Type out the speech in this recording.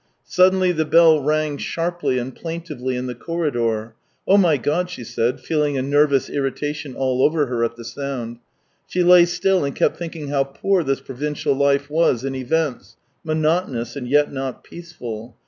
Suddenly the bell rang sharply and plaintively in the corridor. " Oh, my God !" she said, feeling a nervous irritation all over her at the sound. She lay still and kept thinking how poor this provincial life was in events, monotonous and yet not peaceful.